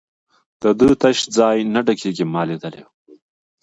د ده تش ځای نه ډکېږي، ما لیدلی وو.